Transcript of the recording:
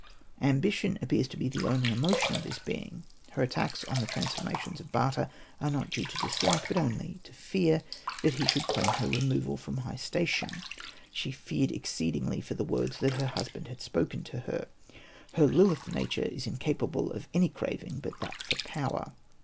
Ambition appears as the only emo tion of this being ; her attacks on the trans formations of Bata are not due to dislike, but only to fear that he should claim her removal from her high station ; she '' feared exceed ingly for the words that her husband had spoken to her." Her Lilith nature is in capable of any craving but that for power.